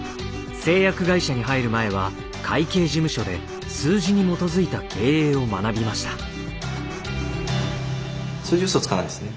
製薬会社に入る前は会計事務所で数字に基づいた経営を学びました。